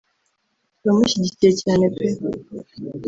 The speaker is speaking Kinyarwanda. turamushyigikiye cyane pe